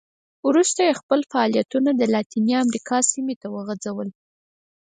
وروسته یې خپل فعالیتونه د لاتینې امریکا سیمو ته وغځول.